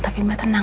tapi mbak tenang